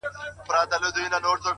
خر پیدا دی چي به وړي درانه بارونه -